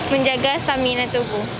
menjaga stamina tubuh